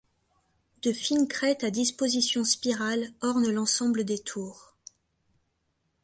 De fines crêtes à disposition spirale ornent l'ensemble des tours.